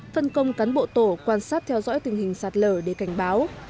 phân công cán bộ tổ quan sát theo dõi tình hình sạt lở để cảnh báo